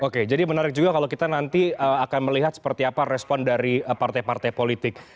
oke jadi menarik juga kalau kita nanti akan melihat seperti apa respon dari partai partai politik